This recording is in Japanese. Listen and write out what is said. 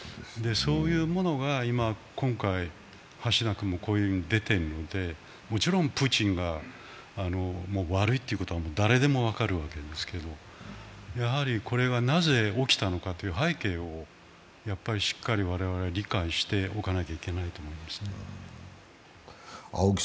そういうものが今回、こういうふうに出ているのでもちろんプーチンが悪いということは誰でも分かるわけですけれどやはり、これがなぜ起きたのかという背景をしっかり我々は理解しておかなければいけないですね。